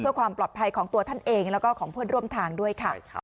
เพื่อความปลอดภัยของตัวท่านเองแล้วก็ของเพื่อนร่วมทางด้วยค่ะ